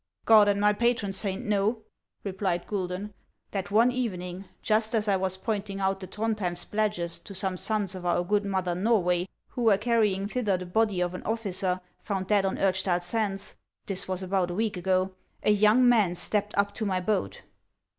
" God and my patron saint know," replied Guidon, "that one evening, just as I was pointing out the Thrond lijem Spladgest to some sons of our good mother Norway, who were carrying thither the body of an officer found dead on Urchtal Sands, — this was about a week ago, — a young man stepped up to my boat.